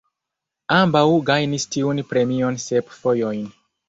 Ambaŭ gajnis tiun premion sep fojojn.